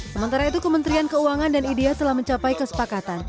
sementara itu kementerian keuangan dan idea telah mencapai kesepakatan